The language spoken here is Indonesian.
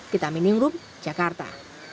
kita mining room jakarta